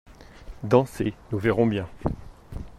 Dansez, nous verrons bien.